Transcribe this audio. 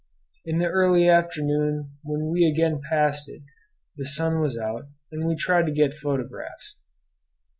In the early afternoon when we again passed it the sun was out, and we tried to get photographs.